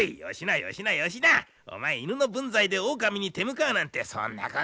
お前犬の分際でオオカミに手向かうなんてそんなことは。